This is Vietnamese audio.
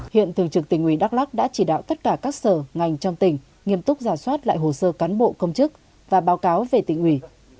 hiện thường trực tỉnh ủy đắk lắc đã chỉ đạo tất cả các sở ngành trong tỉnh nghiêm túc giả soát lại hồ sơ cán bộ công chức và báo cáo về tỉnh ủy